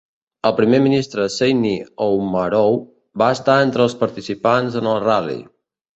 El primer ministre Seyni Oumarou va estar entre els participants en el ral·li.